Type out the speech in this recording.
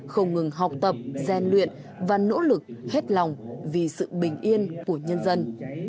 không ngừng học tập gian luyện và nỗ lực hết lòng vì sự bình yên của nhân dân